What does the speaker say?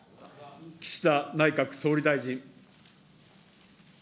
岸田内閣総理大臣。